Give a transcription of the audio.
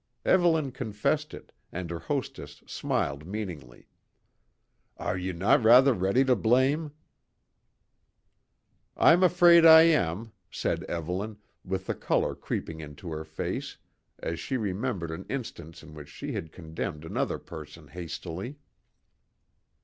Evelyn confessed it, and her hostess smiled meaningly. "Are ye no rather ready to blame?" "I'm afraid I am," said Evelyn, with the colour creeping into her face, as she remembered an instance in which she had condemned another person hastily.